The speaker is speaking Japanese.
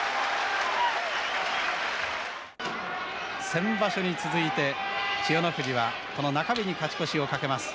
先場所に続いて千代の富士は、この中日に勝ち越しを懸けます。